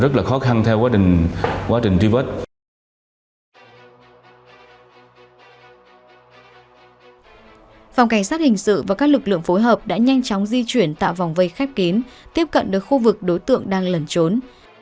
phòng cảnh sát hình sự và các lực lượng phối hợp đã nhanh chóng di chuyển tạo vòng vây khép kín tiếp cận được khu vực đối tượng đang lẩn trốn